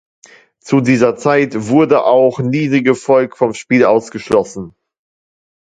Zu dieser Zeit wurde auch niedrige Volk vom Spiel ausgeschlossen.